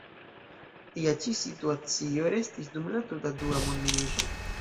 Tia ĉi situacio restis dum la tuta dua mondmilito.